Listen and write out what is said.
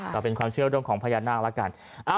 ก็เป็นความเชื่อเรื่องของพญานาคแล้วกัน